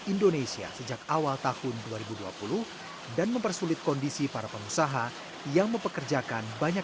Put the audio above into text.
indonesia sejak awal tahun dua ribu dua puluh dan mempersulit kondisi para pengusaha yang mempekerjakan banyak